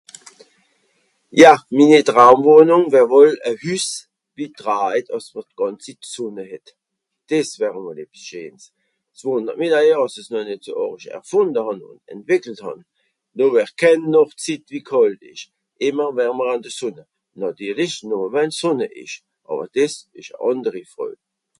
Ja ! Minni Traumwohnung wär wohl e Hüss, wie draiht, àss m'r d'gànz Zitt d'Sùnne het. Dìs wär emol ebbs scheens ! S'Wùndert mi d'ailleurs, àss es noh nìt so àrisch erfùnde hàn ùn entwìckelt hàn. Noh wär kèn Nàchtzitt, wie kàlt ìsch. Ìmmer wärmer àn de Sùnne. Nàtirlisch, nùmme wenn Sùnne ìsch. Àwer dìs, ìsch e ànderi Fröj.